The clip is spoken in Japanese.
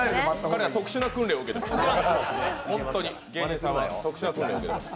彼は特殊な訓練を受けています。